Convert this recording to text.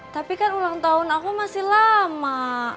tapi kan ulang tahun aku masih lama